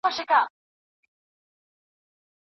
پلرونو یې په وینو رنګولي ول هډونه